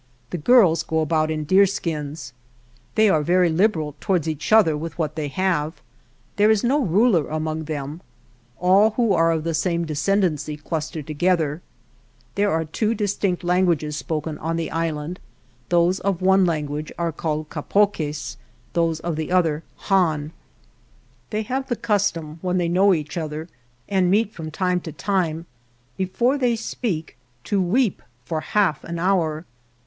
The girls go about in deer skins. They are very liberal towards each other with what they have. There is np ruler among them. All who are of the same descendancy clus ter together. There are two distinct lan 7i THE JOURNEY OF guages spoken on the island; those of one language are called Capoques, those of the other Han. They have the custom, when they know each other and meet from time to time, before they speak, to weep for half an hour.